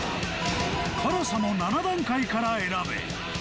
辛さも７段階から選べ